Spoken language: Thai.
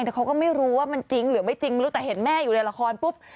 แต่เขาก็ไม่รู้ว่ามันจริงหรือไม่จริงไม่รู้แต่เห็นแม่อยู่ในละครปุ๊บ